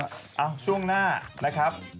ช่วงหน้านะครับ